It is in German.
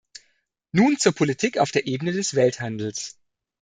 Nun zur Politik auf der Ebene des Welthandels.